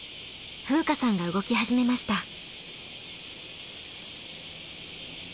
風花さんが動き始めました。